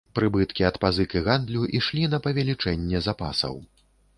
Прыбыткі ад пазык і гандлю ішлі на павелічэнне запасаў.